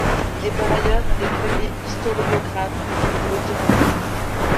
Il est par ailleurs un des premiers historiographes de l'automobile.